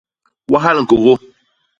Wahal ñkôgô.